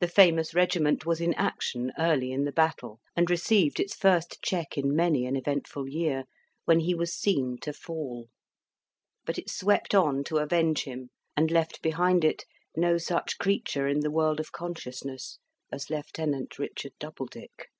The famous regiment was in action early in the battle, and received its first check in many an eventful year, when he was seen to fall. But it swept on to avenge him, and left behind it no such creature in the world of consciousness as Lieutenant Richard Doubledick.